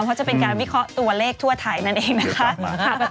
เพราะจะเป็นการวิเคราะห์ตัวเลขทั่วไทยนั่นเองนะคะ